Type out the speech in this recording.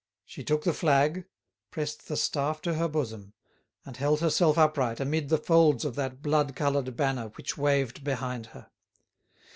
She took the flag, pressed the staff to her bosom, and held herself upright amid the folds of that blood coloured banner which waved behind her.